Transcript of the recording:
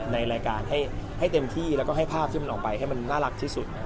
ในรายการให้เต็มที่แล้วก็ให้ภาพที่มันออกไปให้มันน่ารักที่สุด